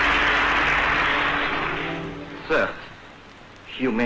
osobemu sedang berubah naivek agar tetap menjadi star yolgun hairya